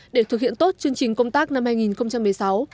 để thực hiện tốt chương trình công tác năm hai nghìn một mươi sáu